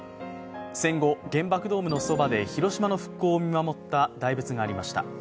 戦後、原爆ドームのそばで広島の復興を見守った大仏がありました。